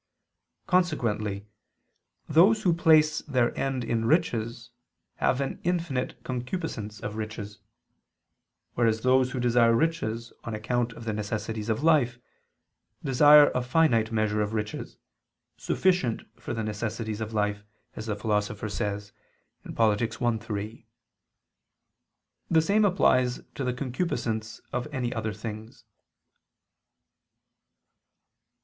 Consequently those who place their end in riches have an infinite concupiscence of riches; whereas those who desire riches, on account of the necessities of life, desire a finite measure of riches, sufficient for the necessities of life, as the Philosopher says (Polit. i, 3). The same applies to the concupiscence of any other things.